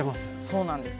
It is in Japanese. そうなんです。